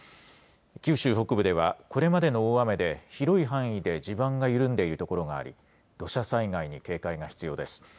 九州北部ではこれまでの大雨で広い範囲で地盤が緩んでいる所があり、土砂災害に警戒が必要です。